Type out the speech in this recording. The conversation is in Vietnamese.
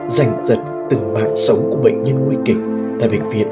dành dật từng mạng sống của bệnh nhân nguy kịch tại bệnh viện